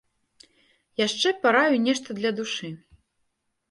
Яшчэ параю нешта для душы.